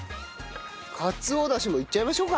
かつおダシもいっちゃいましょうか。